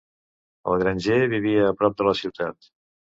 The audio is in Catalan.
El granger vivia a prop de la ciutat.